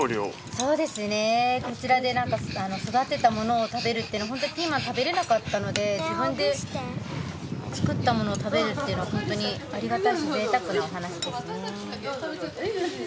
そうですねこちらで育てたものを食べるっていうのホントピーマン食べられなかったので自分で作ったものを食べるっていうのホントにありがたいし贅沢なお話ですね。